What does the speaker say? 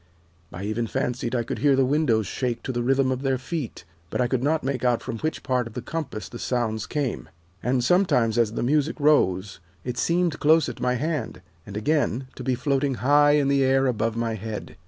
I even fancied I could hear the windows shake to the rhythm of their feet, but I could not make out from which part of the compass the sounds came. And sometimes, as the music rose, it seemed close at my hand, and again, to be floating high in the air above my head.